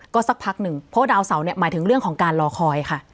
ก็สักพักหนึ่งเพราะว่าดาวเสาเนี่ยหมายถึงเรื่องของการรอคอยค่ะ